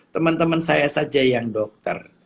teman teman saya saja yang dokter